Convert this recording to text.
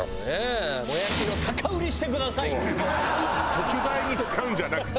特売に使うんじゃなくて。